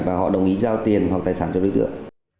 và họ đồng ý giao tiền hoặc tài sản cho đối tượng